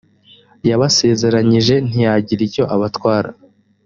yabasezeranyije ntiyagira icyo abatwara